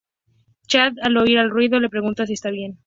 Chad, al oír el ruido, le pregunta si está bien.